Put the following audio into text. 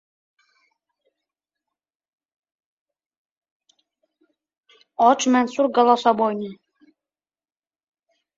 Shumanay tumanida qalbaki aksiz markali alkogol mahsulotlarini sotish holatlari fosh etildi